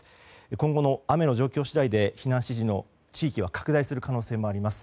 今後の雨の状況次第で避難地域が拡大する恐れがあります。